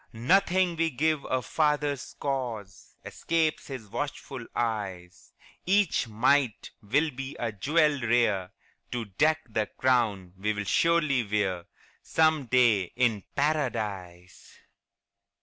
Nothing we give our Father's cause Escapes His watchful eyes; Each mite will be a jewel rare To deck the crown we'll surely wear Some day in Paradise.